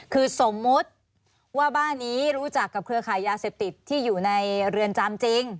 คือสมมุติว่าบ้านนี้รู้จักกับเครือขายยาเสพติดที่อยู่ในเรือนจำจริง